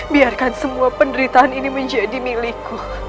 biarkan semua penderitaan ini menjadi milikku